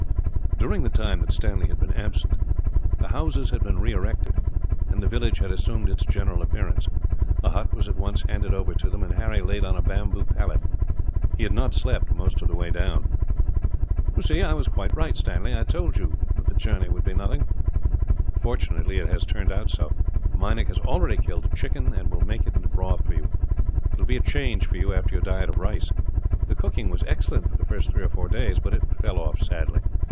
During the time that Stanley had been absent, the houses had been re erected, and the village had assumed its general appearance. A hut was at once handed over to them, and Harry laid on a bamboo pallet. He had not slept, most of the way down. "You see I was quite right, Stanley. I told you that the journey would be nothing." "Fortunately, it has turned out so. Meinik has already killed a chicken, and will make it into broth for you. It will be a change, for you, after your diet of rice. The cooking was excellent, for the first three or four days; but it fell off sadly.